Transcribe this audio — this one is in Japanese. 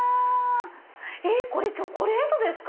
これチョコレートですか？